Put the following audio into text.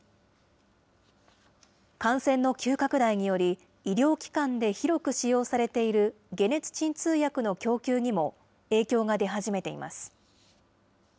感染の急拡大により、医療機関で広く使用されている解熱鎮痛薬の供給にも影響が出始めています。